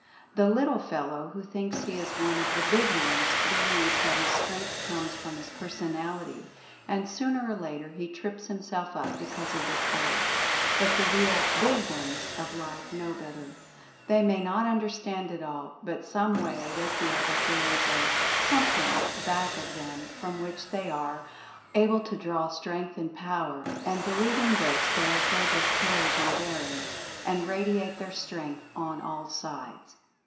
The "little fellow" who thinks he is one of the "big ones" believes that his strength comes from his Personality, and sooner or later he trips himself up because of this error. But the real "big ones" of life know better ; they may not understand it all, but some way they feel that there is a "Something" back of them from which they are 190 Mental Fascination able to draw Strength and Power, and believing this, they are filled \wth Courage and Daring and radiate their Strength^ on all sides.